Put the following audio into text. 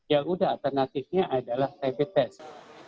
ya udah alternatifnya adalah rapid test